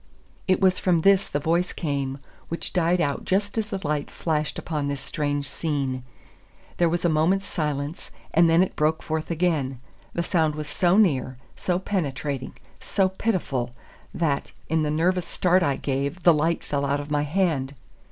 It was from this the voice came which died out just as the light flashed upon this strange scene. There was a moment's silence, and then it broke forth again. The sound was so near, so penetrating, so pitiful, that, in the nervous start I gave, the light fell out of my hand.